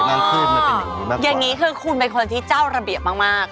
อ๋ออย่างนี้คือคุณเป็นคนที่เจ้าระเบียบมาก